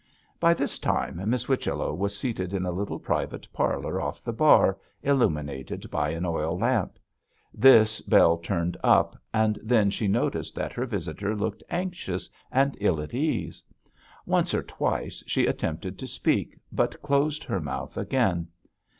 By this time Miss Whichello was seated in a little private parlour off the bar, illuminated by an oil lamp. This Bell turned up, and then she noticed that her visitor looked anxious and ill at ease. Once or twice she attempted to speak, but closed her mouth again.